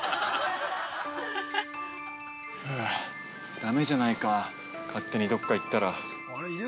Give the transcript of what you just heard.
◆だめじゃないか勝手にどっか行ったら。